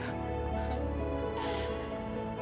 ya gitu lah